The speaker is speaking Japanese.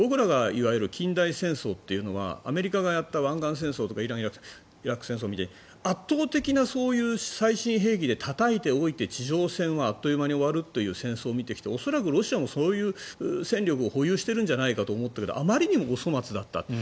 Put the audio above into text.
いわゆる近代戦争というのはアメリカがやった湾岸戦争とかイラン・イラク戦争みたいに圧倒的なそういう最新兵器でたたいておいて地上戦はあっという間に終わるという戦争を見てきて恐らくロシアもそういう戦力を保有してるんじゃないかと思ったけどあまりにもお粗末だった。